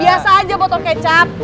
biasa aja botol kecap